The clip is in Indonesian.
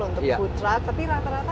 untuk food truck tapi rata rata